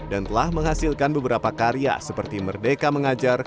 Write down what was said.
dan telah menghasilkan beberapa karya seperti merdeka mengajar